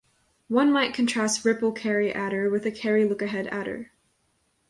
One might contrast ripple carry adder with a carry-lookahead adder.